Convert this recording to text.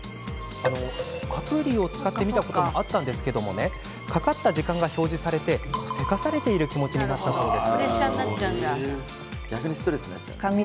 アプリを使ってみたこともありましたがかかった時間が表示されせかされている気持ちになったそうです。